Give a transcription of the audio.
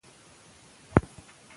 د کورني روباټ په اړه دا راپور خبرې کوي.